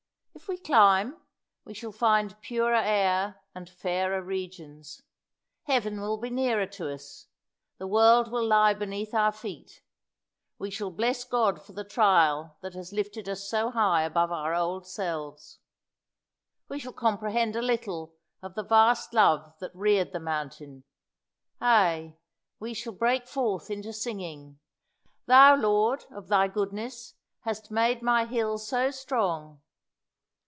If we climb, we shall find purer air and fairer regions. Heaven will be nearer to us, the world will lie beneath our feet; we shall bless God for the trial that has lifted us so high above our old selves. We shall comprehend a little of the vast Love that reared the mountain; ay, we shall break forth into singing, "Thou, Lord, of Thy goodness, hast made my hill so strong!"